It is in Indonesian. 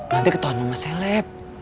nanti ketahuan sama seleb